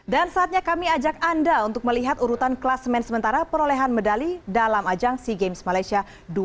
dan saatnya kami ajak anda untuk melihat urutan kelas main sementara perolehan medali dalam ajang sea games malaysia dua ribu tujuh belas